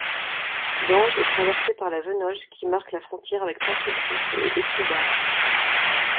Denges est traversée par la Venoge qui marque la frontière avec Saint-Sulpice et Écublens.